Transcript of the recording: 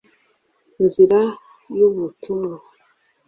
nzira y'ubutumwa